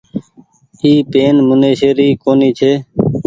اي پين منيشي ري ڪونيٚ ڇي۔